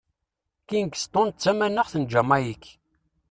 Kingston d tamaxt n Jamayik.